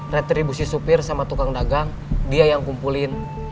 retribusi supir sama tukang dagang dia yang kumpulin